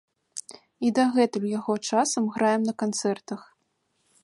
І дагэтуль яго часам граем на канцэртах.